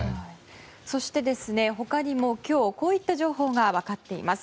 そして、他にも今日こういった情報が分かっています。